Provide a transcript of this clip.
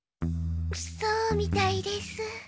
そうみたいです。